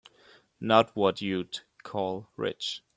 Not what you'd call rich.